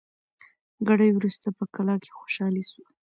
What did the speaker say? ګړی وروسته په کلا کي خوشالي سوه